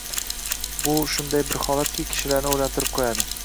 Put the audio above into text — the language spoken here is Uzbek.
Bu shunday bir holatki, kishilarni o‘ylantirib qo‘yadi